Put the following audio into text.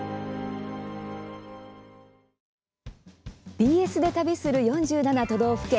「ＢＳで旅する４７都道府県